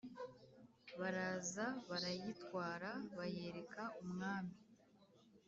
Baraza, barayitwara, bayereka umwami.